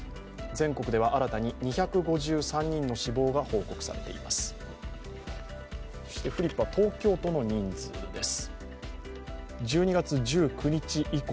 全国では新たに２５３人の死亡が報告されています。